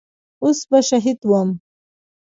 اوس به شهيد وم.